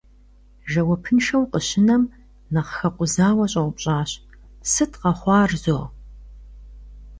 Жэуапыншэу къыщынэм, нэхъ хэкъузауэ щӀэупщӀащ: «Сыт къэхъуар зо?».